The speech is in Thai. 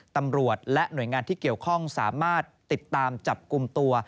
ตำรวจและหน่วยงานที่เกี่ยวข้องสามารถติดตามจับกลุ่มตัว